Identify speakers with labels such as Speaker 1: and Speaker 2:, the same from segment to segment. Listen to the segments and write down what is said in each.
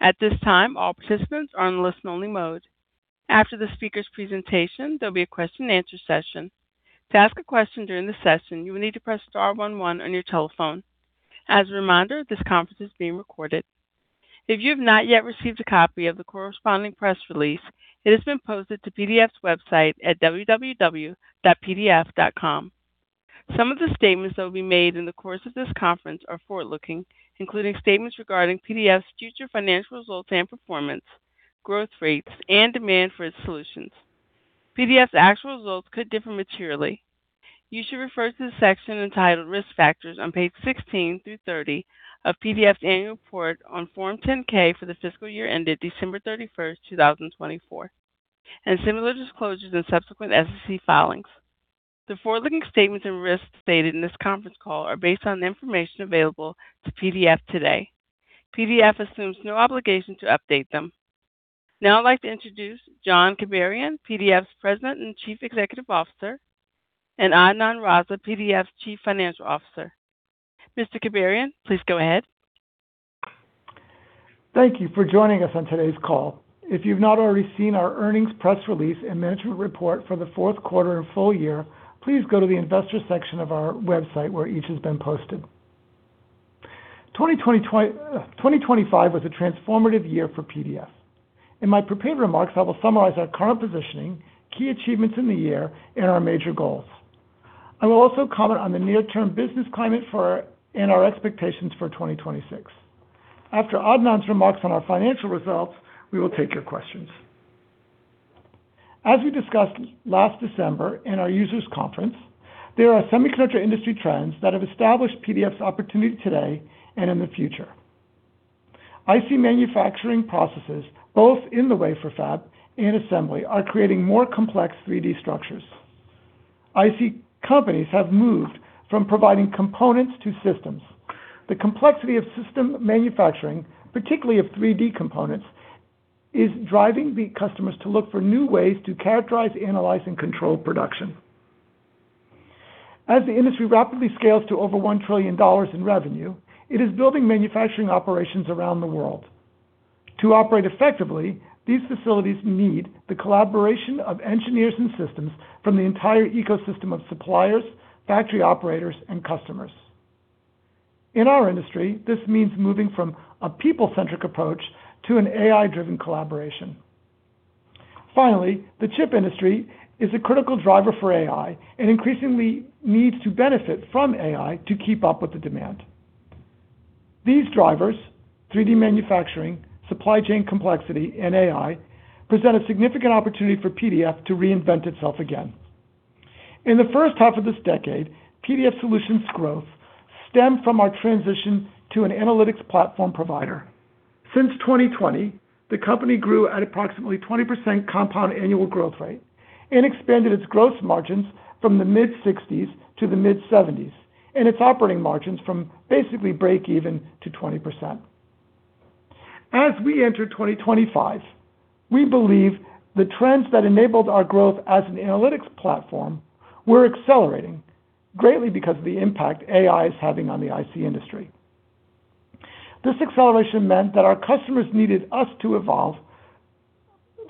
Speaker 1: At this time, all participants are in listen-only mode. After the speaker's presentation, there'll be a question and answer session. To ask a question during the session, you will need to press star one one on your telephone. As a reminder, this conference is being recorded. If you have not yet received a copy of the corresponding press release, it has been posted to PDF's website at www.pdf.com. Some of the statements that will be made in the course of this conference are forward-looking, including statements regarding PDF's future financial results and performance, growth rates, and demand for its solutions. PDF's actual results could differ materially. You should refer to the section entitled Risk Factors on page 16 through 30 of PDF's Annual Report on Form 10-K for the fiscal year ended December 31st, 2024, and similar disclosures in subsequent SEC filings. The forward-looking statements and risks stated in this conference call are based on the information available to PDF today. PDF assumes no obligation to update them. Now I'd like to introduce John Kibarian, PDF's President and Chief Executive Officer, and Adnan Raza, PDF's Chief Financial Officer. Mr. Kibarian, please go ahead.
Speaker 2: Thank you for joining us on today's call. If you've not already seen our earnings press release and management report for the fourth quarter and full year, please go to the Investors section of our website, where each has been posted. 2025 was a transformative year for PDF. In my prepared remarks, I will summarize our current positioning, key achievements in the year, and our major goals. I will also comment on the near-term business climate for, and our expectations for 2026. After Adnan's remarks on our financial results, we will take your questions. As we discussed last December in our Users Conference, there are semiconductor industry trends that have established PDF's opportunity today and in the future. IC manufacturing processes, both in the wafer fab and assembly, are creating more complex 3D structures. IC companies have moved from providing components to systems. The complexity of system manufacturing, particularly of 3D components, is driving the customers to look for new ways to characterize, analyze, and control production. As the industry rapidly scales to over $1 trillion in revenue, it is building manufacturing operations around the world. To operate effectively, these facilities need the collaboration of engineers and systems from the entire ecosystem of suppliers, factory operators, and customers. In our industry, this means moving from a people-centric approach to an AI-driven collaboration. Finally, the chip industry is a critical driver for AI and increasingly needs to benefit from AI to keep up with the demand. These drivers, 3D manufacturing, supply chain complexity, and AI, present a significant opportunity for PDF to reinvent itself again. In the first half of this decade, PDF Solutions growth stemmed from our transition to an analytics platform provider. Since 2020, the company grew at approximately 20% compound annual growth rate and expanded its gross margins from the mid-60s to the mid-70s, and its operating margins from basically break-even to 20%. As we enter 2025, we believe the trends that enabled our growth as an analytics platform were accelerating greatly because of the impact AI is having on the IC industry. This acceleration meant that our customers needed us to evolve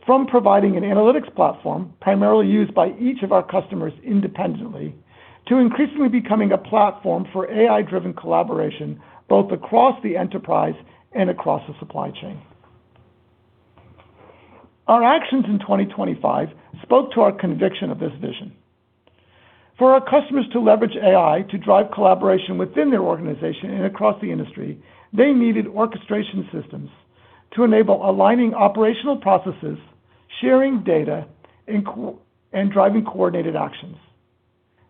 Speaker 2: from providing an analytics platform, primarily used by each of our customers independently, to increasingly becoming a platform for AI-driven collaboration, both across the enterprise and across the supply chain. Our actions in 2025 spoke to our conviction of this vision. For our customers to leverage AI to drive collaboration within their organization and across the industry, they needed orchestration systems to enable aligning operational processes, sharing data, and and driving coordinated actions.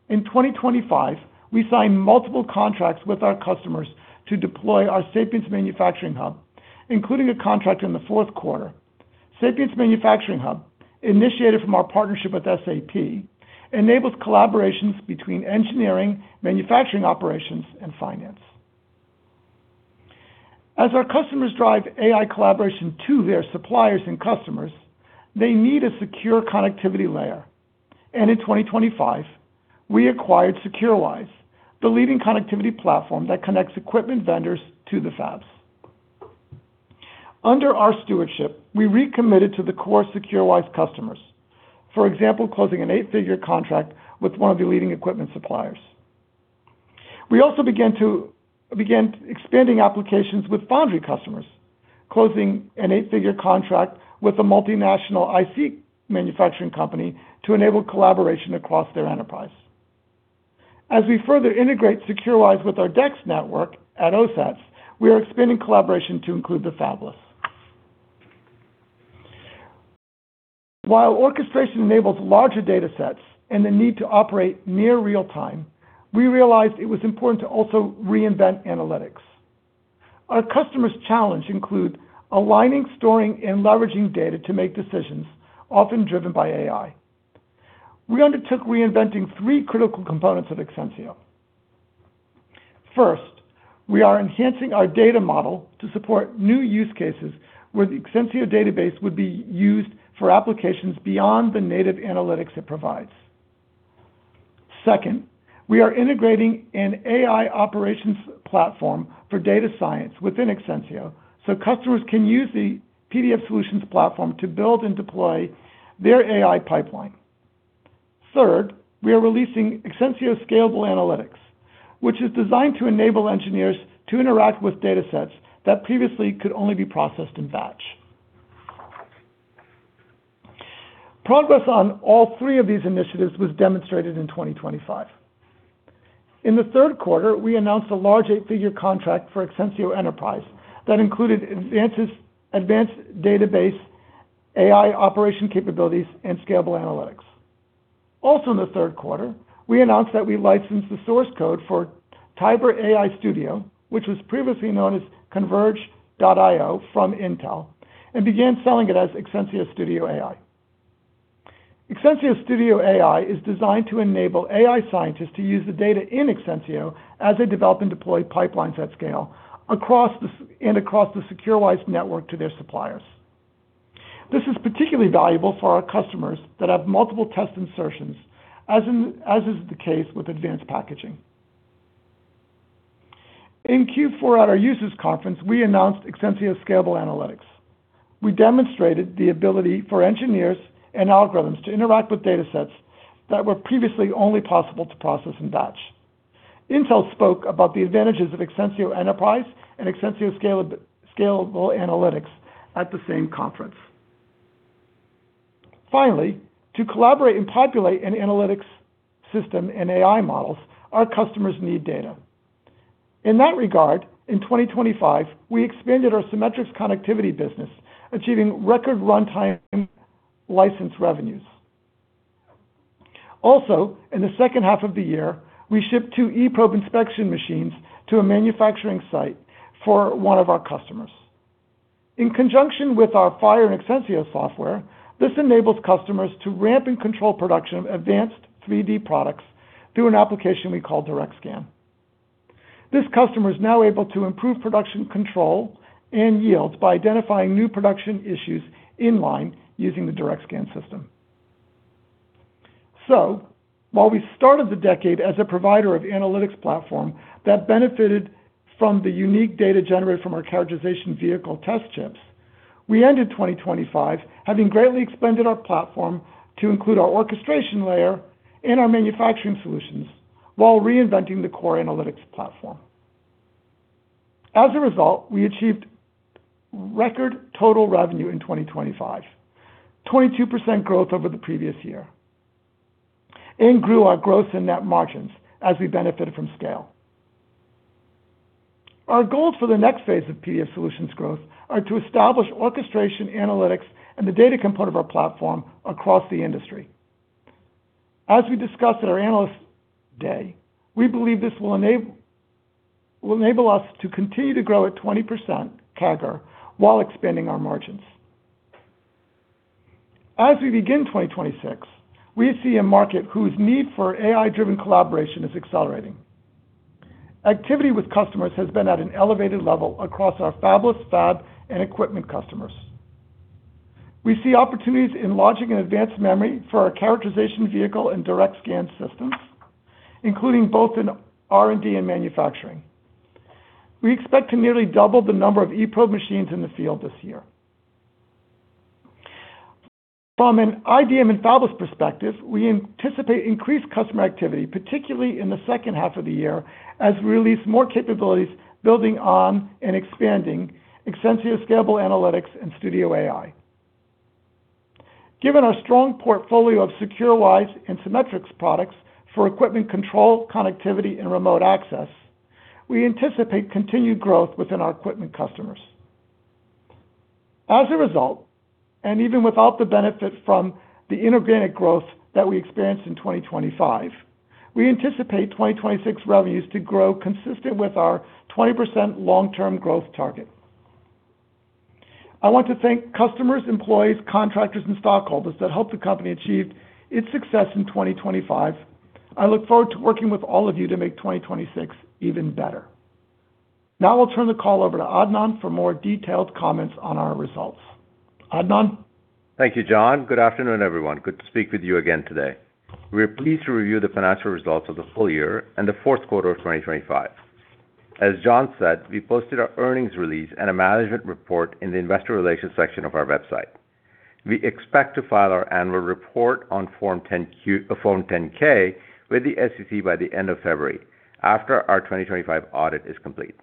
Speaker 2: In 2025, we signed multiple contracts with our customers to deploy our Sapience Manufacturing Hub, including a contract in the fourth quarter. Sapience Manufacturing Hub, initiated from our partnership with SAP, enables collaborations between engineering, manufacturing, operations, and finance. As our customers drive AI collaboration to their suppliers and customers, they need a secure connectivity layer, and in 2025, we acquired secureWISE, the leading connectivity platform that connects equipment vendors to the fabs. Under our stewardship, we recommitted to the core secureWISE customers. For example, closing an eight-figure contract with one of the leading equipment suppliers. We also began expanding applications with foundry customers, closing an eight-figure contract with a multinational IC manufacturing company to enable collaboration across their enterprise. As we further integrate secureWISE with our DEX network at OSATs, we are expanding collaboration to include the fabless. While orchestration enables larger datasets and the need to operate near real time, we realized it was important to also reinvent analytics. Our customers' challenges include aligning, storing, and leveraging data to make decisions, often driven by AI. We undertook reinventing three critical components of Exensio. First, we are enhancing our data model to support new use cases where the Exensio database would be used for applications beyond the native analytics it provides. Second, we are integrating an AI operations platform for data science within Exensio, so customers can use the PDF Solutions platform to build and deploy their AI pipeline. Third, we are releasing Exensio Scalable Analytics, which is designed to enable engineers to interact with datasets that previously could only be processed in batch. Progress on all three of these initiatives was demonstrated in 2025. In the third quarter, we announced a large eight-figure contract for Exensio Enterprise that included advanced database, AI operation capabilities, and scalable analytics. Also, in the third quarter, we announced that we licensed the source code for Tiber AI Studio, which was previously known as cnvrg.io from Intel, and began selling it as Exensio Studio AI. Exensio Studio AI is designed to enable AI scientists to use the data in Exensio as they develop and deploy pipelines at scale across the, and across the secureWISE network to their suppliers. This is particularly valuable for our customers that have multiple test insertions, as in, as is the case with advanced packaging. In Q4, at our Users Conference, we announced Exensio Scalable Analytics. We demonstrated the ability for engineers and algorithms to interact with datasets that were previously only possible to process in batch. Intel spoke about the advantages of Exensio Enterprise and Exensio Scalable Analytics at the same conference. Finally, to collaborate and populate an analytics system and AI models, our customers need data. In that regard, in 2025, we expanded our Cimetrix Connectivity business, achieving record runtime license revenues. Also, in the second half of the year, we shipped two eProbe inspection machines to a manufacturing site for one of our customers. In conjunction with our FIRE and Exensio software, this enables customers to ramp and control production of advanced 3D products through an application we call DirectScan. This customer is now able to improve production control and yields by identifying new production issues in line using the DirectScan system. So while we started the decade as a provider of analytics platform that benefited from the unique data generated from our Characterization Vehicle test chips, we ended 2025 having greatly expanded our platform to include our orchestration layer and our manufacturing solutions, while reinventing the core analytics platform. As a result, we achieved record total revenue in 2025, 22% growth over the previous year, and grew our gross and net margins as we benefited from scale. Our goals for the next phase of PDF Solutions growth are to establish orchestration, analytics, and the data component of our platform across the industry. As we discussed at our Analyst Day, we believe this will enable, will enable us to continue to grow at 20% CAGR while expanding our margins. As we begin 2026, we see a market whose need for AI-driven collaboration is accelerating. Activity with customers has been at an elevated level across our fabless, fab, and equipment customers. We see opportunities in launching an advanced memory for our Characterization Vehicle and DirectScan systems, including both in R&D and manufacturing. We expect to nearly double the number of eProbe machines in the field this year. From an IDM and fabless perspective, we anticipate increased customer activity, particularly in the second half of the year, as we release more capabilities building on and expanding Exensio Scalable Analytics and Studio AI. Given our strong portfolio of secureWISE and Cimetrix products for equipment control, connectivity, and remote access, we anticipate continued growth within our equipment customers. As a result, and even without the benefit from the inorganic growth that we experienced in 2025, we anticipate 2026 revenues to grow consistent with our 20% long-term growth target. I want to thank customers, employees, contractors, and stockholders that helped the company achieve its success in 2025. I look forward to working with all of you to make 2026 even better. Now I'll turn the call over to Adnan for more detailed comments on our results. Adnan?
Speaker 3: Thank you, John. Good afternoon, everyone. Good to speak with you again today. We are pleased to review the financial results of the full year and the fourth quarter of 2025. As John said, we posted our earnings release and a management report in the Investor Relations section of our website. We expect to file our annual report on Form 10-K with the SEC by the end of February, after our 2025 audit is complete.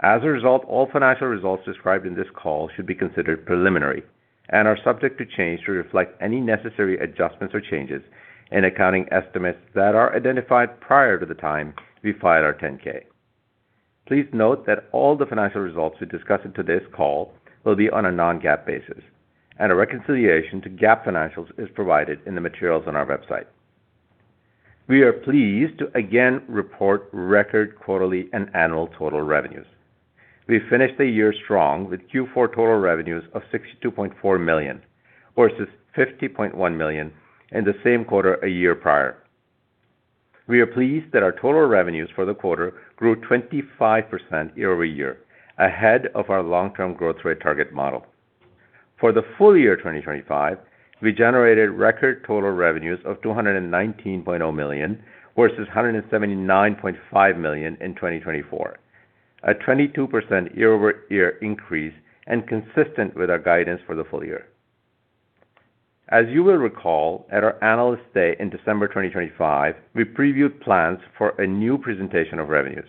Speaker 3: As a result, all financial results described in this call should be considered preliminary and are subject to change to reflect any necessary adjustments or changes in accounting estimates that are identified prior to the time we file our 10-K. Please note that all the financial results we discuss in today's call will be on a non-GAAP basis, and a reconciliation to GAAP financials is provided in the materials on our website. We are pleased to again report record quarterly and annual total revenues. We finished the year strong, with Q4 total revenues of $62.4 million, versus $50.1 million in the same quarter a year prior. We are pleased that our total revenues for the quarter grew 25% year-over-year, ahead of our long-term growth rate target model. For the full-year 2025, we generated record total revenues of $219.0 million, versus $179.5 million in 2024. A 22% year-over-year increase, and consistent with our guidance for the full year. As you will recall, at our Analyst Day in December 2025, we previewed plans for a new presentation of revenues,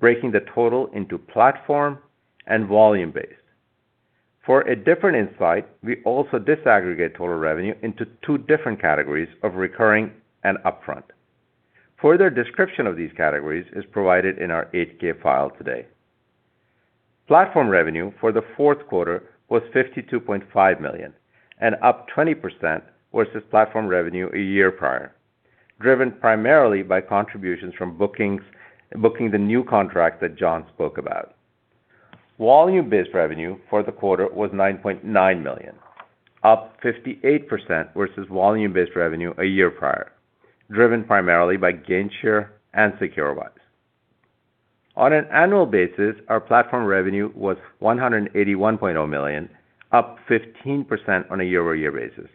Speaker 3: breaking the total into platform and volume-based. For a different insight, we also disaggregate total revenue into two different categories of recurring and upfront. Further description of these categories is provided in our 10-K file today. Platform revenue for the fourth quarter was $52.5 million, and up 20% versus platform revenue a year prior, driven primarily by contributions from booking the new contract that John spoke about. Volume-based revenue for the quarter was $9.9 million, up 58% versus volume-based revenue a year prior, driven primarily by GainShare and secureWISE. On an annual basis, our platform revenue was $181.0 million, up 15% on a year-over-year basis,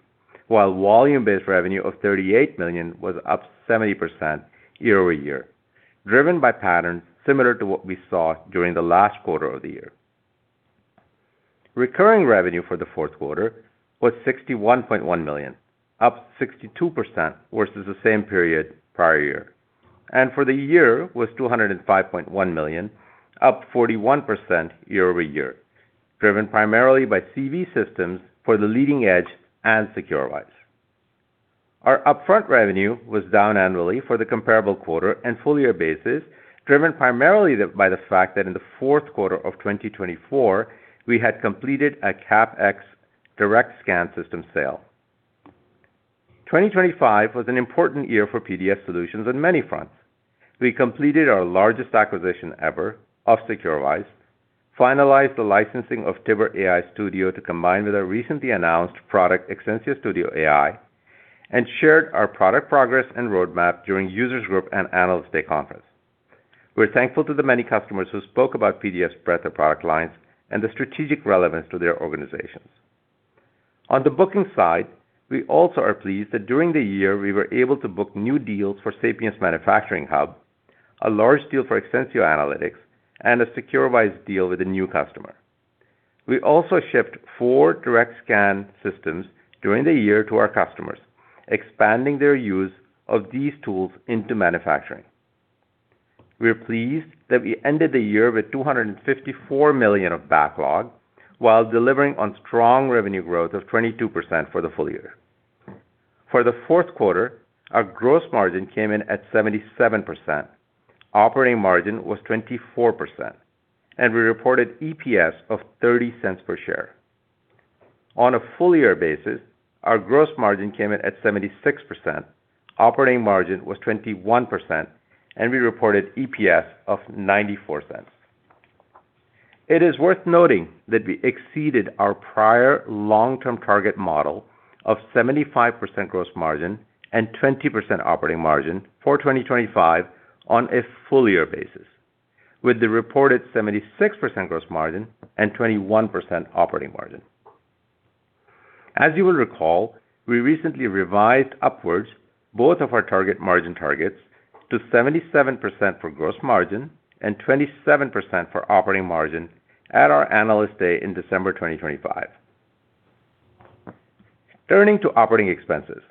Speaker 3: while volume-based revenue of $38 million was up 70% year-over-year, driven by patterns similar to what we saw during the last quarter of the year. Recurring revenue for the fourth quarter was $61.1 million, up 62% versus the same period prior year. For the year, was $205.1 million, up 41% year-over-year, driven primarily by CV systems for the leading edge and secureWISE. Our upfront revenue was down annually for the comparable quarter and full-year basis, driven primarily by the fact that in the fourth quarter of 2024, we had completed a CapEx DirectScan system sale. 2025 was an important year for PDF Solutions on many fronts. We completed our largest acquisition ever of secureWISE, finalized the licensing of Tiber AI Studio to combine with our recently announced product, Exensio Studio AI, and shared our product progress and roadmap during Users Group and Analyst Day Conference. We're thankful to the many customers who spoke about PDF's breadth of product lines and the strategic relevance to their organizations. On the booking side, we also are pleased that during the year we were able to book new deals for Sapience Manufacturing Hub, a large deal for Exensio Analytics, and a secureWISE deal with a new customer. We also shipped four DirectScan systems during the year to our customers, expanding their use of these tools into manufacturing. We are pleased that we ended the year with $254 million of backlog, while delivering on strong revenue growth of 22% for the full year. For the fourth quarter, our gross margin came in at 77%. Operating margin was 24%, and we reported EPS of $0.30 per share. On a full-year basis, our gross margin came in at 76%, operating margin was 21%, and we reported EPS of $0.94. It is worth noting that we exceeded our prior long-term target model of 75% gross margin and 20% operating margin for 2025 on a full-year basis, with the reported 76% gross margin and 21% operating margin. As you will recall, we recently revised upwards both of our target margin targets to 77% for gross margin and 27% for operating margin at our Analyst Day in December 2025. Turning to operating expenses.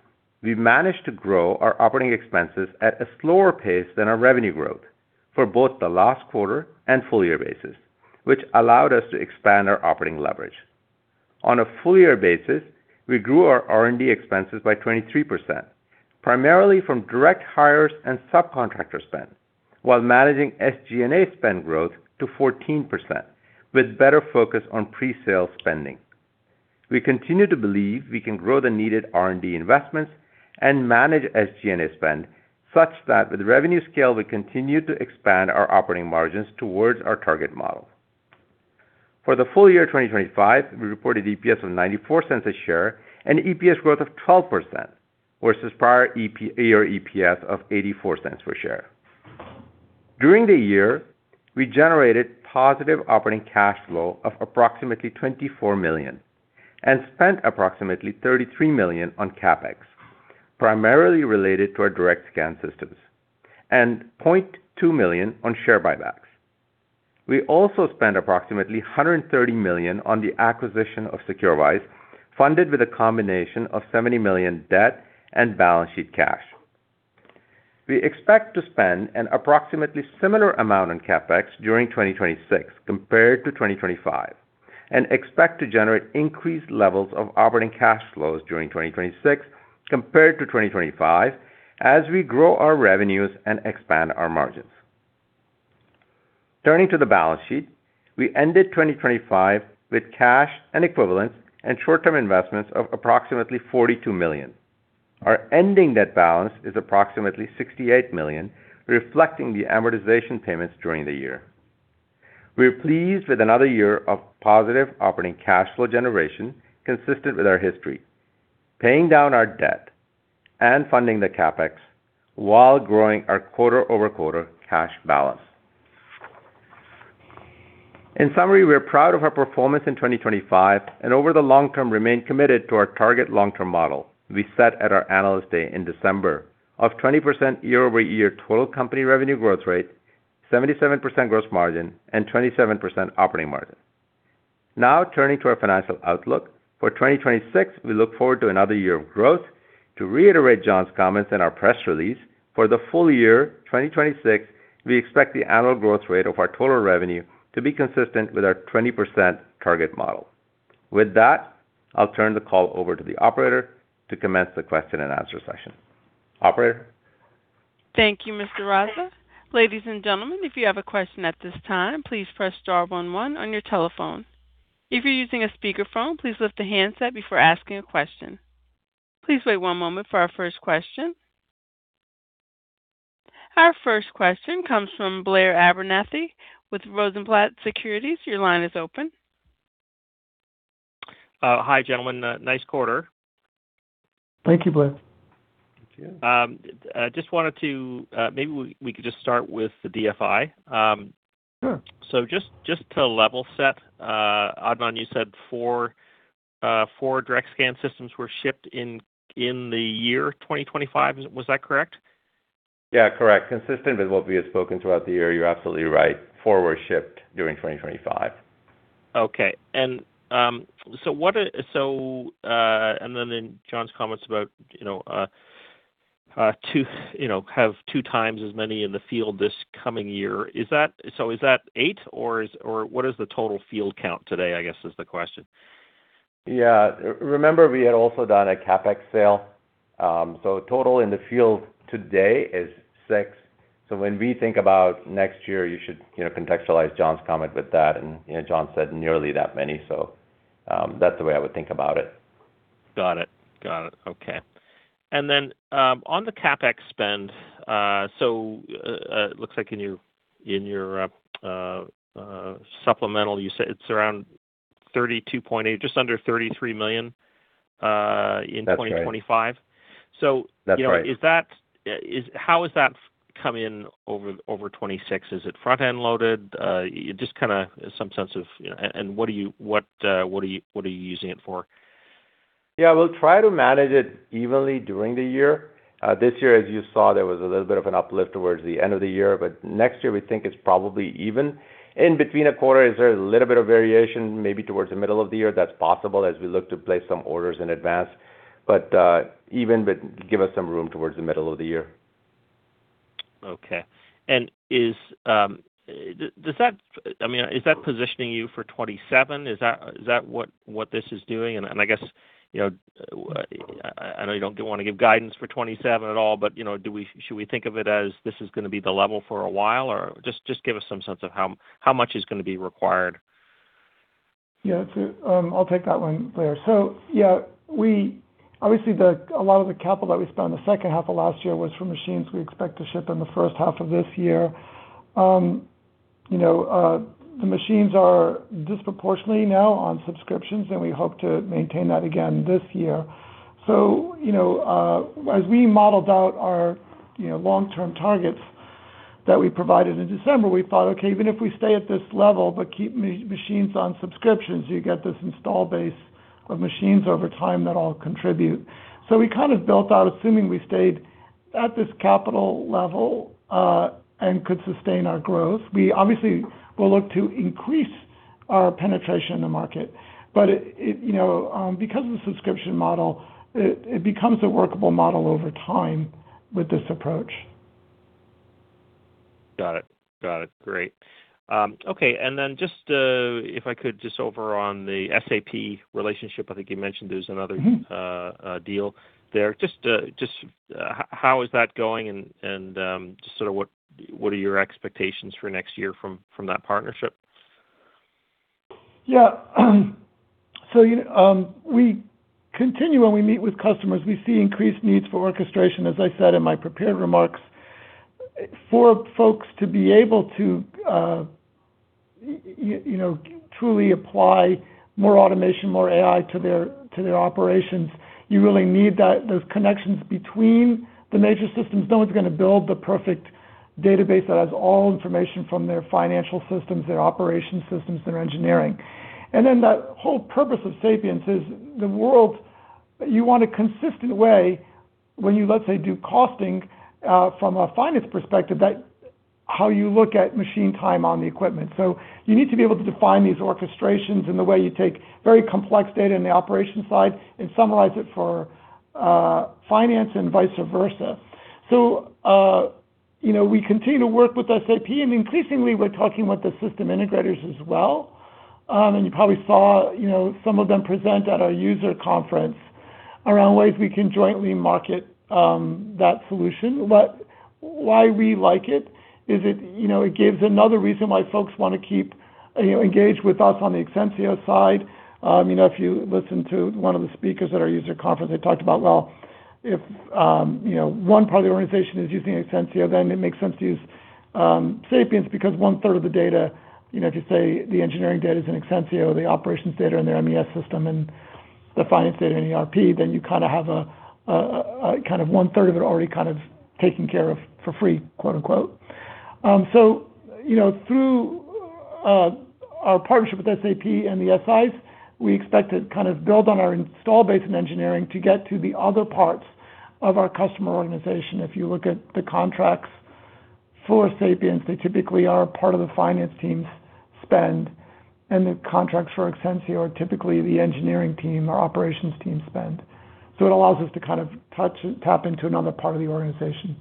Speaker 3: We managed to grow our operating expenses at a slower pace than our revenue growth for both the last quarter and full-year basis, which allowed us to expand our operating leverage. On a full-year basis, we grew our R&D expenses by 23%, primarily from direct hires and subcontractor spend, while managing SG&A spend growth to 14%, with better focus on pre-sale spending. We continue to believe we can grow the needed R&D investments and manage SG&A spend, such that with revenue scale, we continue to expand our operating margins towards our target model. For the full-year 2025, we reported EPS of $0.94 per share and EPS growth of 12% versus prior EP- or EPS of $0.84 per share. During the year, we generated positive operating cash flow of approximately $24 million, and spent approximately $33 million on CapEx, primarily related to our DirectScan systems, and $0.2 million on share buybacks. We also spent approximately $130 million on the acquisition of secureWISE, funded with a combination of $70 million debt and balance sheet cash. We expect to spend an approximately similar amount on CapEx during 2026 compared to 2025, and expect to generate increased levels of operating cash flows during 2026 compared to 2025, as we grow our revenues and expand our margins. Turning to the balance sheet. We ended 2025 with cash and equivalents and short-term investments of approximately $42 million. Our ending debt balance is approximately $68 million, reflecting the amortization payments during the year. We are pleased with another year of positive operating cash flow generation, consistent with our history, paying down our debt and funding the CapEx while growing our quarter-over-quarter cash balance. In summary, we are proud of our performance in 2025, and over the long term, remain committed to our target long-term model we set at our Analyst Day in December of 20% year-over-year total company revenue growth rate, 77% gross margin, and 27% operating margin. Now, turning to our Financial Outlook. For 2026, we look forward to another year of growth. To reiterate John's comments in our press release, for the full year, 2026, we expect the annual growth rate of our total revenue to be consistent with our 20% target model. With that, I'll turn the call over to the operator to commence the question and answer session. Operator?
Speaker 1: Thank you, Mr. Raza. Ladies and gentlemen, if you have a question at this time, please press star one one on your telephone. If you're using a speakerphone, please lift the handset before asking a question. Please wait one moment for our first question. Our first question comes from Blair Abernethy with Rosenblatt Securities. Your line is open.
Speaker 4: Hi, gentlemen. Nice quarter.
Speaker 2: Thank you, Blair.
Speaker 3: Thank you.
Speaker 4: I just wanted to, maybe we could just start with the DFI.
Speaker 2: Sure.
Speaker 4: So just, just to level set, Adnan, you said four DirectScan systems were shipped in the year 2025. Was that correct?
Speaker 3: Yeah, correct. Consistent with what we had spoken throughout the year, you're absolutely right. Four were shipped during 2025.
Speaker 4: Okay. And so what and then in John's comments about, you know, to, you know, have two times as many in the field this coming year. Is that eight, or what is the total field count today, I guess, is the question?
Speaker 3: Yeah. Remember, we had also done a CapEx sale. So total in the field today is six. So when we think about next year, you should, you know, contextualize John's comment with that, and, you know, John said nearly that many, so that's the way I would think about it.
Speaker 4: Got it. Got it. Okay. And then, on the CapEx spend, so, it looks like in your supplemental, you said it's around $32.8 million, just under $33 million.
Speaker 3: That's right.
Speaker 4: - in 2025.
Speaker 3: That's right.
Speaker 4: So, you know, is that? How does that come in over 26? Is it front-end loaded? Just kind of some sense of, you know, and what are you using it for?
Speaker 3: Yeah, we'll try to manage it evenly during the year. This year, as you saw, there was a little bit of an uplift towards the end of the year, but next year, we think it's probably even. In between a quarter, is there a little bit of variation, maybe towards the middle of the year? That's possible as we look to place some orders in advance, but even, but give us some room towards the middle of the year.
Speaker 4: Okay. And is that positioning you for 2027? Is that what this is doing? And I guess, you know, I know you don't wanna give guidance for 2027 at all, but you know, do we, should we think of it as this is gonna be the level for a while, or just give us some sense of how much is gonna be required.
Speaker 2: Yeah. I'll take that one, Blair. So, yeah, we obviously a lot of the capital that we spent in the second half of last year was for machines we expect to ship in the first half of this year. You know, the machines are disproportionately now on subscriptions, and we hope to maintain that again this year. So, you know, as we modeled out our, you know, long-term targets that we provided in December, we thought, okay, even if we stay at this level, but keep machines on subscriptions, you get this install base of machines over time that all contribute. So we built out, assuming we stayed at this capital level, and could sustain our growth, we obviously will look to increase our penetration in the market. But it, you know, because of the subscription model, it becomes a workable model over time with this approach.
Speaker 4: Got it. Got it. Great. Okay, and then just, if I could, just over on the SAP relationship, I think you mentioned there's another-
Speaker 2: Mm-hmm...
Speaker 4: deal there. Just, how is that going? And, just sort of what are your expectations for next year from that partnership?
Speaker 2: Yeah. So, you, we continue when we meet with customers, we see increased needs for orchestration, as I said in my prepared remarks. For folks to be able to, you, you know, truly apply more automation, more AI to their, to their operations, you really need that, those connections between the major systems. No one's gonna build the perfect database that has all information from their financial systems, their operation systems, their engineering. And then the whole purpose of Sapience is the world. You want a consistent way when you, let's say, do costing, from a finance perspective, that how you look at machine time on the equipment. So you need to be able to define these orchestrations and the way you take very complex data in the operation side and summarize it for, finance and vice versa. So, you know, we continue to work with SAP, and increasingly, we're talking with the system integrators as well. And you probably saw, you know, some of them present at our user conference around ways we can jointly market that solution. But why we like it is it, you know, it gives another reason why folks wanna keep, you know, engaged with us on the Exensio side. You know, if you listen to one of the speakers at our Users Conference, they talked about, well, if, you know, one part of the organization is using Exensio, then it makes sense to use Sapience, because one-third of the data, you know, if you say the engineering data is in Exensio, the operations data in their MES system, and... the finance data and ERP, then you kind of have a kind of 1/3 of it already kind of taken care of for free, quote, unquote. So, you know, through our partnership with SAP and the SIs, we expect to kind of build on our installed base and engineering to get to the other parts of our customer organization. If you look at the contracts for Sapience, they typically are part of the finance team's spend, and the contracts for Exensio are typically the engineering team or operations team spend. So it allows us to kind of touch, tap into another part of the organization.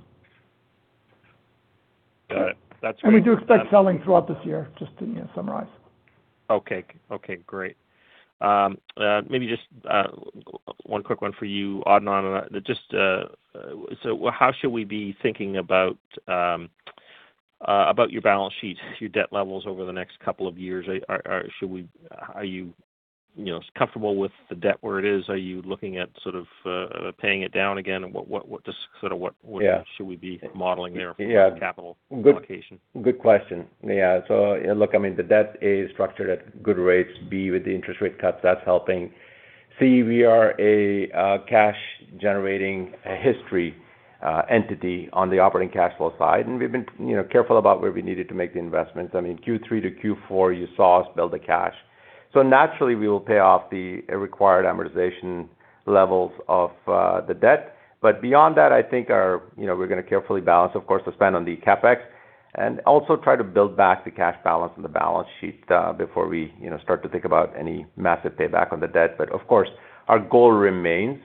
Speaker 4: Got it. That's great-
Speaker 2: We do expect selling throughout this year, just to, you know, summarize.
Speaker 4: Okay. Okay, great. Maybe just one quick one for you, Adnan, on just so well, how should we be thinking about your balance sheet, your debt levels over the next couple of years? Should we, are you, you know, comfortable with the debt where it is? Are you looking at sort of paying it down again? What just sort of what-
Speaker 3: Yeah.
Speaker 4: Should we be modeling there?
Speaker 3: Yeah.
Speaker 4: -for capital allocation?
Speaker 3: Good question. Yeah. So, look, I mean, the debt, A, is structured at good rates, B, with the interest rate cuts, that's helping. C, we are a cash-generating history entity on the operating cash flow side, and we've been, you know, careful about where we needed to make the investments. I mean, Q3 to Q4, you saw us build the cash. So naturally, we will pay off the required amortization levels of the debt. But beyond that, I think our... You know, we're going to carefully balance, of course, the spend on the CapEx, and also try to build back the cash balance on the balance sheet before we, you know, start to think about any massive payback on the debt. But of course, our goal remains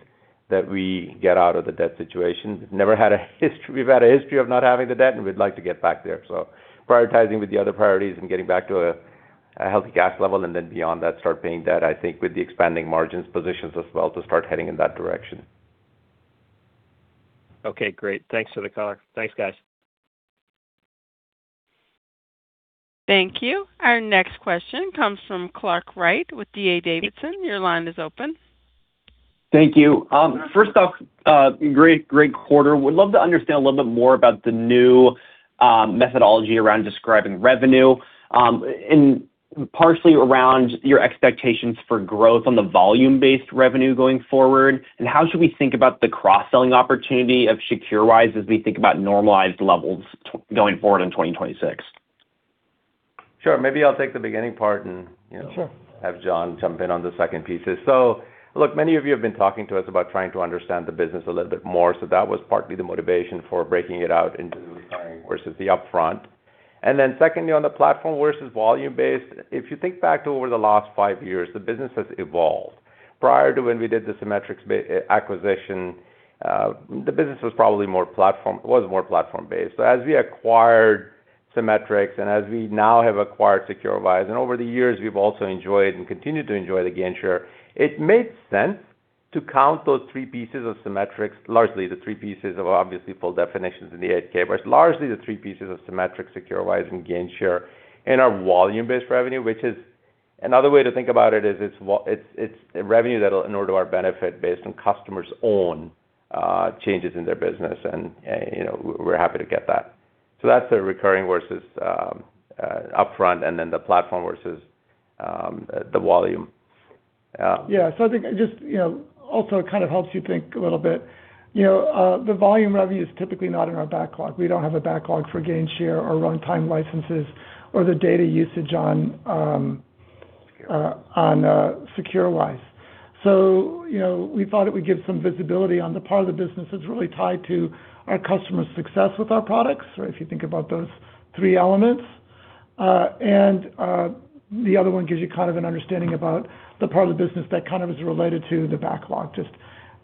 Speaker 3: that we get out of the debt situation. We've had a history of not having the debt, and we'd like to get back there. So prioritizing with the other priorities and getting back to a healthy cash level, and then beyond that, start paying debt, I think, with the expanding margins positions as well, to start heading in that direction.
Speaker 4: Okay, great. Thanks for the call. Thanks, guys.
Speaker 1: Thank you. Our next question comes from Clark Wright with D.A. Davidson. Your line is open.
Speaker 5: Thank you. First off, great, great quarter. Would love to understand a little bit more about the new methodology around describing revenue, and partially around your expectations for growth on the volume-based revenue going forward, and how should we think about the cross-selling opportunity of secureWISE as we think about normalized levels going forward in 2026?
Speaker 3: Sure. Maybe I'll take the beginning part and, you know-
Speaker 5: Sure.
Speaker 3: Have John jump in on the second pieces. So look, many of you have been talking to us about trying to understand the business a little bit more, so that was partly the motivation for breaking it out into the recurring versus the upfront. And then secondly, on the platform versus volume-based, if you think back to over the last five years, the business has evolved. Prior to when we did the Cimetrix acquisition, the business was probably more platform, was more platform-based. So as we acquired Cimetrix, and as we now have acquired secureWISE, and over the years, we've also enjoyed and continued to enjoy the GainShare, it made sense to count those three pieces of Cimetrix, largely the three pieces of obviously full definitions in the 8-K, but largely the three pieces of Cimetrix, secureWISE, and GainShare in our volume-based revenue, which is another way to think about it, is it's, it's a revenue that will in order our benefit based on customers' own, changes in their business, and, you know, we're happy to get that. So that's the recurring versus, upfront, and then the platform versus, the volume.
Speaker 2: Yeah. So I think just, you know, also it kind of helps you think a little bit. You know, the volume revenue is typically not in our backlog. We don't have a backlog for GainShare or runtime licenses or the data usage on secureWISE. So, you know, we thought it would give some visibility on the part of the business that's really tied to our customer success with our products, or if you think about those three elements. And, the other one gives you kind of an understanding about the part of the business that kind of is related to the backlog. Just,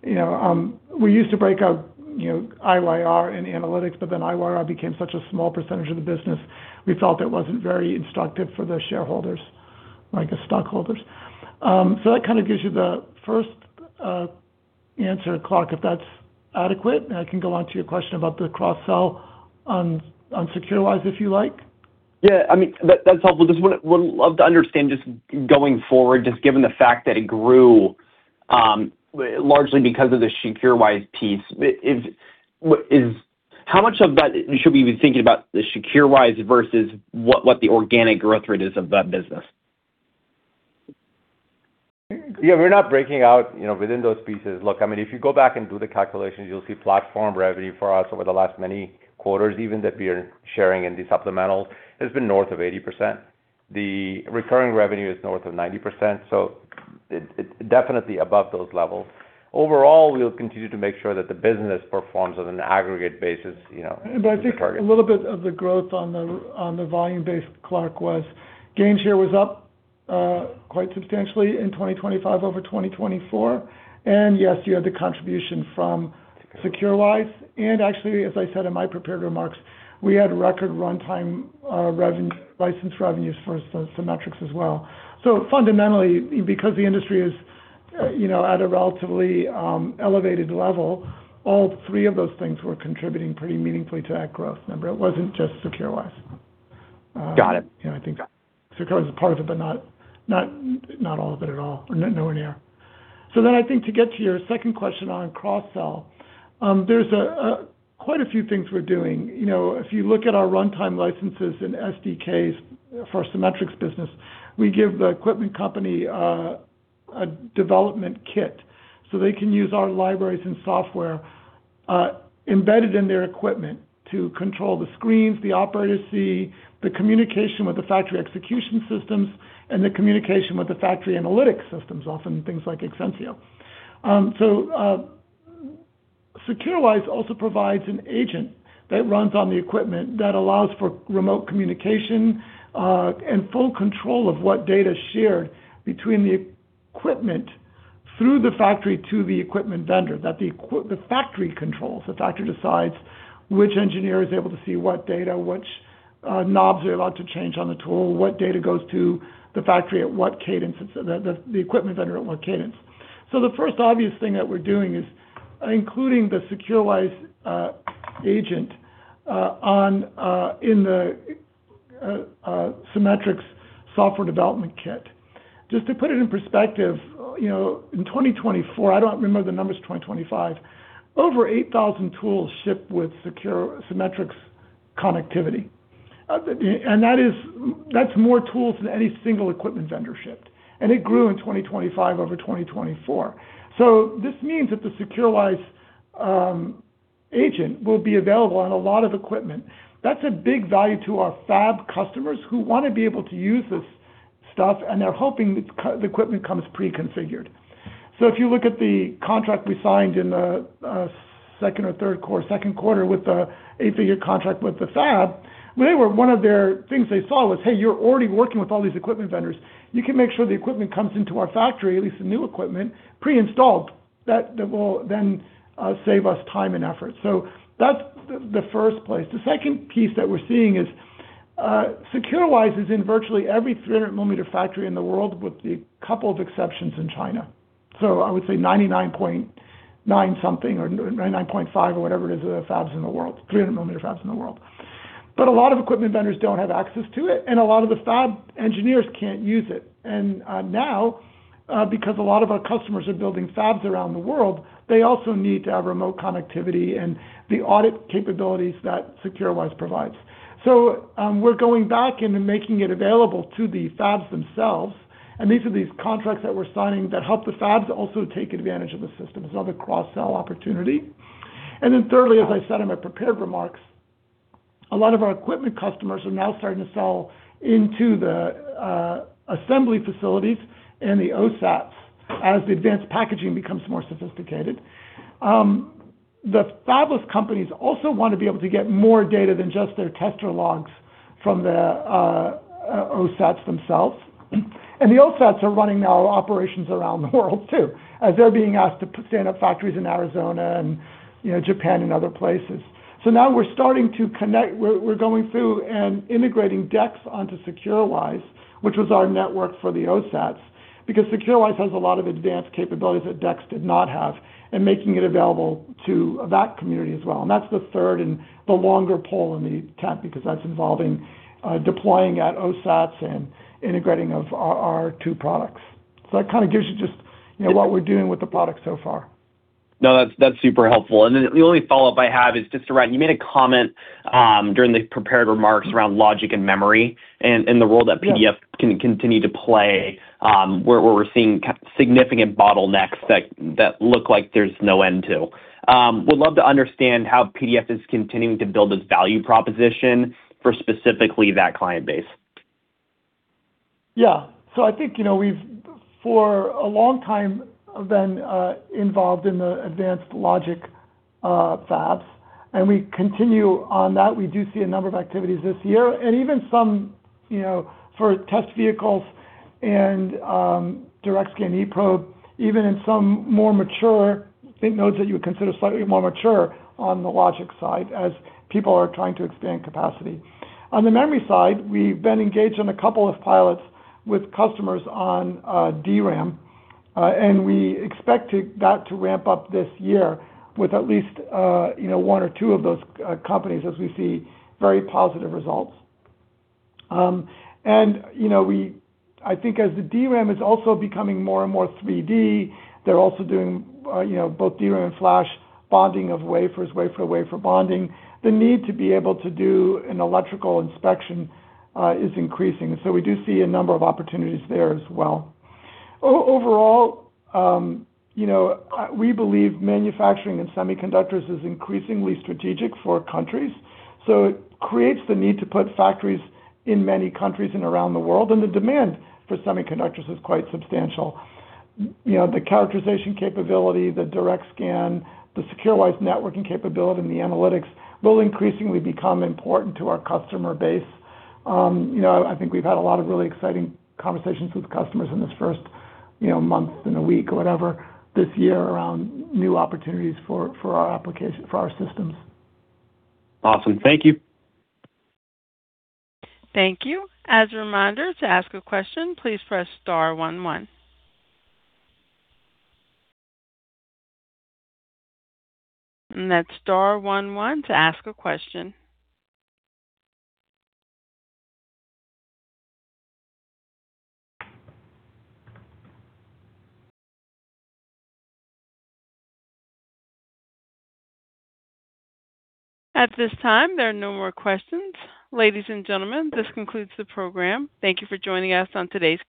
Speaker 2: you know, we used to break out, you know, IYR and analytics, but then IYR became such a small percentage of the business, we felt it wasn't very instructive for the shareholders, like the stockholders. So that kind of gives you the first answer, Clark, if that's adequate, and I can go on to your question about the cross-sell on secureWISE, if you like.
Speaker 5: Yeah, I mean, that's helpful. Just would love to understand just going forward, just given the fact that it grew largely because of the secureWISE piece. How much of that should we be thinking about the secureWISE versus what the organic growth rate is of that business?
Speaker 3: Yeah, we're not breaking out, you know, within those pieces. Look, I mean, if you go back and do the calculations, you'll see platform revenue for us over the last many quarters, even that we are sharing in the supplementals, has been north of 80%. The recurring revenue is north of 90%, so it definitely above those levels. Overall, we'll continue to make sure that the business performs on an aggregate basis, you know,
Speaker 2: But I think a little bit of the growth on the, on the volume-based, Clark, was GainShare was up quite substantially in 2025 over 2024. And yes, you had the contribution from secureWISE. And actually, as I said in my prepared remarks, we had record runtime license revenues for Cimetrix as well. So fundamentally, because the industry is, you know, at a relatively elevated level, all three of those things were contributing pretty meaningfully to that growth number. It wasn't just secureWISE.
Speaker 5: Got it.
Speaker 2: You know, I think secureWISE is a part of it, but not, not, not all of it at all, or nowhere near. So then I think to get to your second question on cross-sell. There's quite a few things we're doing. You know, if you look at our runtime licenses and SDKs for Cimetrix business, we give the equipment company a development kit, so they can use our libraries and software embedded in their equipment to control the screens, the operators see, the communication with the factory execution systems, and the communication with the factory analytic systems, often things like Exensio. secureWISE also provides an agent that runs on the equipment, that allows for remote communication and full control of what data is shared between the equipment through the factory to the equipment vendor, that the factory controls. The factory decides which engineer is able to see what data, which knobs they're allowed to change on the tool, what data goes to the factory, at what cadence, the equipment vendor at what cadence. So the first obvious thing that we're doing is including the secureWISE agent on in the Cimetrix software development kit. Just to put it in perspective, you know, in 2024, I don't remember the numbers for 2025, over 8,000 tools shipped with secureWISE Cimetrix connectivity. And that is- that's more tools than any single equipment vendor shipped, and it grew in 2025 over 2024. So this means that the secureWISE agent will be available on a lot of equipment. That's a big value to our fab customers who want to be able to use this stuff, and they're hoping the equipment comes preconfigured. So if you look at the contract we signed in the second or third quarter, second quarter with the eight-figure contract with the fab, they were one of their things they saw was, "Hey, you're already working with all these equipment vendors. You can make sure the equipment comes into our factory, at least the new equipment, pre-installed. That will then save us time and effort." So that's the first place. The second piece that we're seeing is secureWISE is in virtually every 300 mm factory in the world, with a couple of exceptions in China. So I would say 99.9 something or 99.5 or whatever it is, the fabs in the world, 300 mm fabs in the world. But a lot of equipment vendors don't have access to it, and a lot of the fab engineers can't use it. And now, because a lot of our customers are building fabs around the world, they also need to have remote connectivity and the audit capabilities that secureWISE provides. So, we're going back and making it available to the fabs themselves, and these are these contracts that we're signing that help the fabs also take advantage of the system. It's another cross-sell opportunity. And then thirdly, as I said in my prepared remarks, a lot of our equipment customers are now starting to sell into the assembly facilities and the OSATs as the advanced packaging becomes more sophisticated. The fabless companies also want to be able to get more data than just their tester logs from the OSATs themselves. And the OSATs are running now operations around the world too, as they're being asked to stand up factories in Arizona and, you know, Japan and other places. So now we're starting to connect. We're going through and integrating DEX onto secureWISE, which was our network for the OSATs, because secureWISE has a lot of advanced capabilities that DEX did not have, and making it available to that community as well. And that's the third and the longer pole in the tent, because that's involving deploying at OSATs and integrating of our two products. So that kind of gives you just, you know, what we're doing with the product so far.
Speaker 5: No, that's, that's super helpful. And then the only follow-up I have is just around, you made a comment, during the prepared remarks around logic and memory and, and the role that PDF-
Speaker 2: Yeah.
Speaker 5: Can continue to play where we're seeing significant bottlenecks that look like there's no end to. Would love to understand how PDF is continuing to build its value proposition for specifically that client base.
Speaker 2: Yeah. So I think, you know, we've, for a long time, been involved in the advanced logic fabs, and we continue on that. We do see a number of activities this year and even some, you know, for test vehicles and DirectScan eProbe, even in some more mature, I think, nodes that you would consider slightly more mature on the logic side as people are trying to expand capacity. On the memory side, we've been engaged on a couple of pilots with customers on DRAM, and we expect to... That to ramp up this year with at least, you know, one or two of those companies as we see very positive results. And, you know, I think as the DRAM is also becoming more and more 3D, they're also doing, you know, both DRAM and flash bonding of wafers, wafer-to-wafer bonding. The need to be able to do an electrical inspection is increasing, so we do see a number of opportunities there as well. Overall, you know, we believe manufacturing in semiconductors is increasingly strategic for countries, so it creates the need to put factories in many countries and around the world, and the demand for semiconductors is quite substantial. You know, the characterization capability, the DirectScan, the secureWISE networking capability, and the analytics will increasingly become important to our customer base. You know, I think we've had a lot of really exciting conversations with customers in this first, you know, month and a week or whatever, this year around new opportunities for, for our application- for our systems.
Speaker 5: Awesome. Thank you.
Speaker 1: Thank you. As a reminder, to ask a question, please press star one one. That's star one one to ask a question. At this time, there are no more questions. Ladies and gentlemen, this concludes the program. Thank you for joining us on today's call.